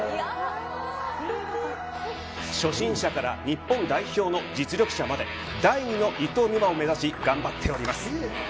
初心者から日本代表の実力者まで、第二の伊藤美誠を目指し、頑張っています。